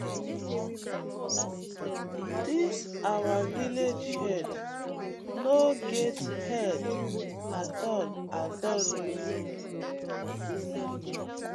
Dis our villag head no get head atoll atoll oo.